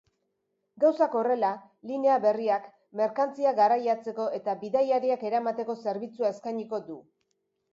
Gauzak horrela, linea berriak merkantziak garraiatzeko eta bidaiariak eramateko zerbitzua eskainiko du.